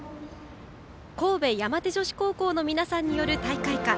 神戸山手女子高校の皆さんによる大会歌。